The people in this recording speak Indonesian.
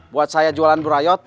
buat saya jualan burayot